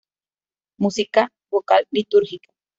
Música vocal litúrgica